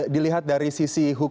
dilihat dari sisi